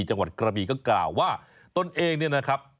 จังหวัดกระบีก็กล่าวว่าตนเองเนี่ยนะครับ